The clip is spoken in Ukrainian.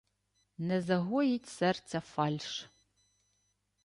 Не загоїть серця фальш.